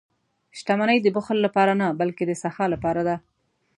• شتمني د بخل لپاره نه، بلکې د سخا لپاره ده.